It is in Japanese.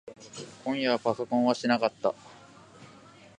今夜はパソコンはしなかった。